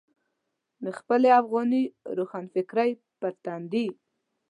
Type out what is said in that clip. د خپلې افغاني روښانفکرۍ پر تندي.